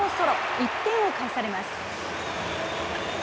１点を返されます。